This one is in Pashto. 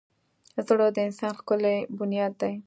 زړه د انسان ښکلی بنیاد دی.